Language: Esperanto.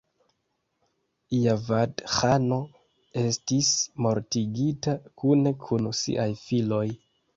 Javad-ĥano estis mortigita, kune kun siaj filoj.